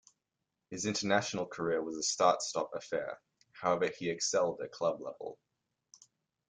His international career was a start-stop affair, however he excelled at club level.